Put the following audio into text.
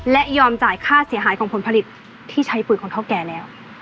และยอมจ่ายค่าเสียหายของผลผลิตที่ใช้ปืนของเท่าแก่แล้ว